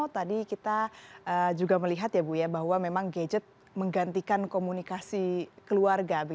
tadi kita juga melihat ya bu ya bahwa memang gadget menggantikan komunikasi keluarga